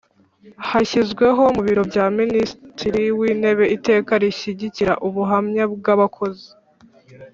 Hashyizweho mu biro bya Minisitiri w Intebe iteka rishyigikira ubuhamya bw abakozi